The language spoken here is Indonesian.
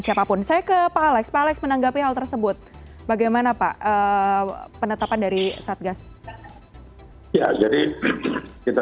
siapapun saya ke pak alex pak alex menanggapi hal tersebut bagaimana pak penetapan dari satgas ya jadi kita